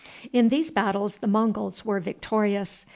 In these battles the Monguls were victorious.